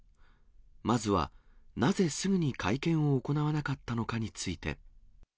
まずは、なぜすぐに会見を行わなかったのかについて。